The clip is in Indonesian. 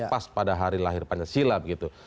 pas pada hari lahir panjang silam gitu